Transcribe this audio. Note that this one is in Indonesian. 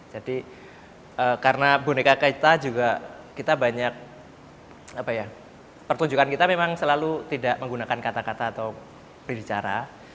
jadi karena boneka kita juga kita banyak apa ya pertunjukan kita memang selalu tidak menggunakan kata kata atau berbicara